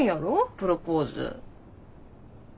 プロポーズ。